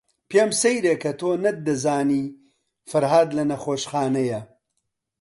پێم سەیرە کە تۆ نەتدەزانی فەرھاد لە نەخۆشخانەیە.